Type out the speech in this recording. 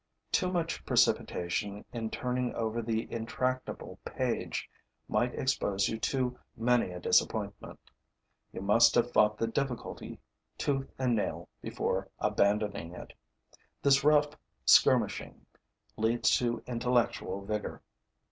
Too much precipitation in turning over the intractable page might expose you to many a disappointment. You must have fought the difficulty tooth and nail before abandoning it. This rough skirmishing leads to intellectual vigor.